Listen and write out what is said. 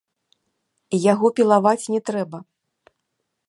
Яго пілаваць не трэба.